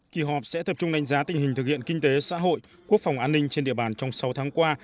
kỳ họp sẽ tập trung đánh giá tình hình thực hiện kinh tế xã hội quốc phòng an ninh trên địa bàn trong sáu tháng qua